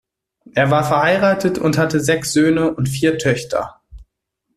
Er war verheiratet und hatte sechs Söhne und vier Töchter.